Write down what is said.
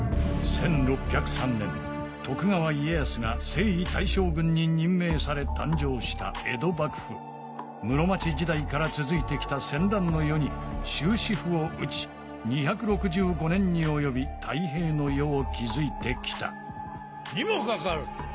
１６０３年徳川家康が征夷大将軍に任命され誕生した江戸幕府室町時代から続いて来た戦乱の世に終止符を打ち２６５年に及び太平の世を築いて来たにもかかわらず！